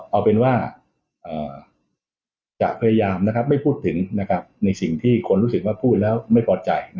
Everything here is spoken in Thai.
เอาเป็นว่าจะพยายามไม่พูดถึงในสิ่งที่คนรู้สึกว่าพูดแล้วไม่พอใจ